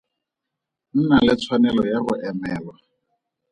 Nna le tshwanelo ya go emelwa.